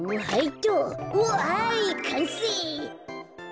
わいかんせい。